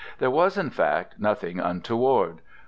There was, in fact, nothing untoward.